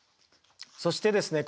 そしてですね